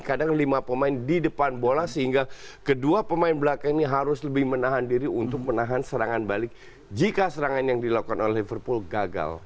kadang lima pemain di depan bola sehingga kedua pemain belakang ini harus lebih menahan diri untuk menahan serangan balik jika serangan yang dilakukan oleh liverpool gagal